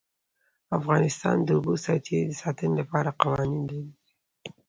افغانستان د د اوبو سرچینې د ساتنې لپاره قوانین لري.